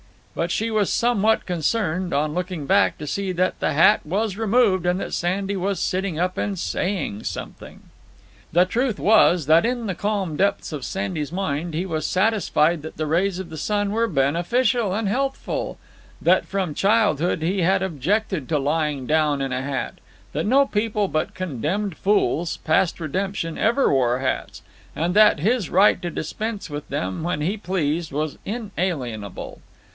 But she was somewhat concerned, on looking back, to see that the hat was removed, and that Sandy was sitting up and saying something. The truth was, that in the calm depths of Sandy's mind he was satisfied that the rays of the sun were beneficial and healthful; that from childhood he had objected to lying down in a hat; that no people but condemned fools, past redemption, ever wore hats; and that his right to dispense with them when he pleased was inalienable.